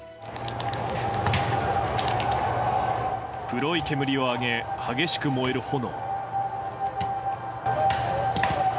黒い煙を上げ、激しく燃える炎。